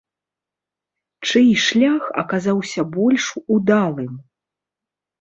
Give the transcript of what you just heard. Чый шлях аказаўся больш удалым?